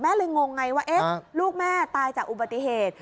เลยงงไงว่าลูกแม่ตายจากอุบัติเหตุ